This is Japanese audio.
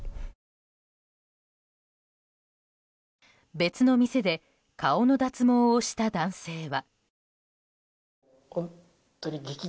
別の店で顔の脱毛をした男性は。